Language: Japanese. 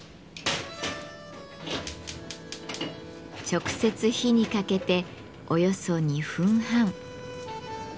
直接火にかけておよそ２分半。